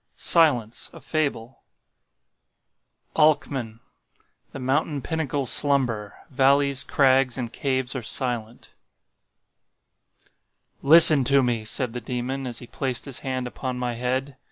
SILENCE—A FABLE "The mountain pinnacles slumber; valleys, crags and caves are silent." "Listen to me," said the Demon as he placed his hand upon my head.